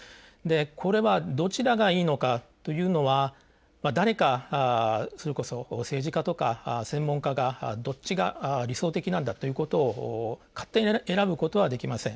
これはどちらがいいのかというのは、誰かそれこそ政治家とか専門家がどっちが理想的なんだということを勝手に選ぶことはできません。